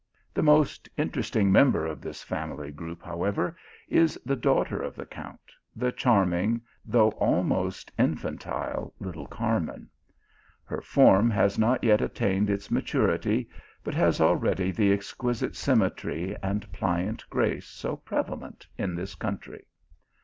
The most interesting member of this family group, however, is the daughter of the Count, the charm ing though almost infantile little Carmen. Her form has not yet attained its maturity, but has al ready the exquisite symmetry and pliant grace so prevalent in this country.